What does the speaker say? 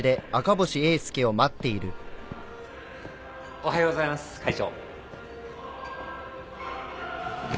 おはようございます会長。